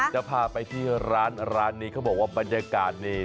จะพาไปที่ร้านร้านนี้เขาบอกว่าบรรยากาศนี่